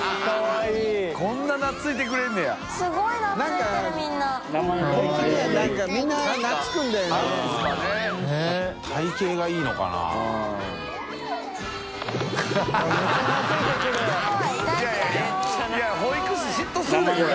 いやいや保育士嫉妬するでこれ。